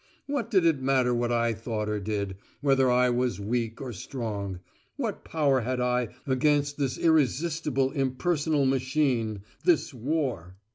What did it matter what I thought or did, whether I was weak or strong? What power had I against this irresistible impersonal machine; this war?